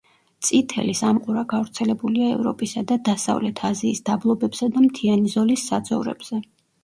წითელი სამყურა გავრცელებულია ევროპისა და დასავლეთ აზიის დაბლობებსა და მთიანი ზოლის საძოვრებზე.